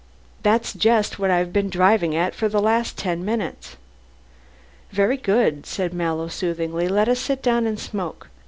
"That's just what I've been driving at for the last ten minutes." "Very good," said Mallow soothingly, "let us sit down and smoke.